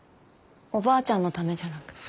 おばあちゃんのためじゃなく。